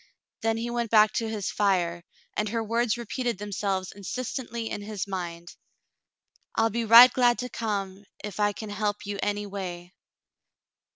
Then he went back to his fire, and her words repeated themselves insistently in his mind — "I'll be right glad to come, if I can help you anyway."